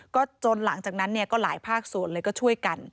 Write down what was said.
ก็จนหลังจากนั้นเนี่ยก็หลายภาคส่วนเลยก็ช่วยกัน